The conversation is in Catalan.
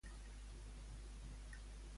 Quin acte portaven a terme antany?